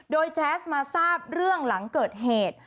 โดยแจ๊สมาทราบเรื่องหลังเกิดเหตุ